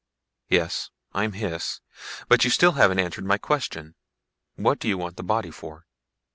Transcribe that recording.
"Yes I'm Hys. But you still haven't answered my question. What do you want the body for?"